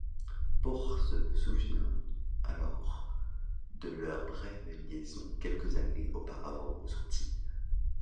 Paul se souvient alors de leur brève liaison quelques années auparavant, aux Antilles.